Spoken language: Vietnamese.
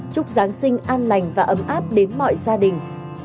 chúc giáng sinh an lành và ấm áp đến mọi gia đình